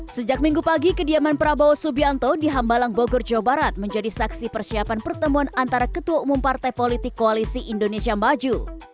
sejak minggu pagi kediaman prabowo subianto di hambalang bogor jawa barat menjadi saksi persiapan pertemuan antara ketua umum partai politik koalisi indonesia maju